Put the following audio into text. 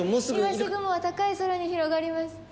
いわし雲は高い空に広がります。